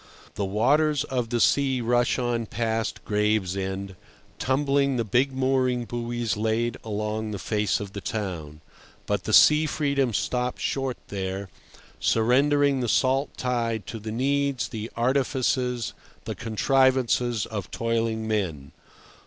The waters of the sea rush on past Gravesend, tumbling the big mooring buoys laid along the face of the town; but the sea freedom stops short there, surrendering the salt tide to the needs, the artifices, the contrivances of toiling men.